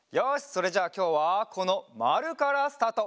それじゃあきょうはこのまるからスタート！